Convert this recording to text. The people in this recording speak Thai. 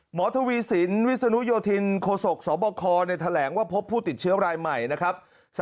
ทวีสินวิศนุโยธินโคศกสบคแถลงว่าพบผู้ติดเชื้อรายใหม่นะครับ